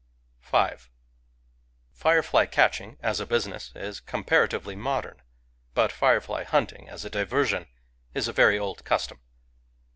Firefly catching, as a business, is comparatively modern; but firefly hunting, as a diversion, is a very old custom.